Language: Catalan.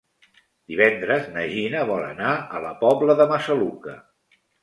Divendres na Gina vol anar a la Pobla de Massaluca.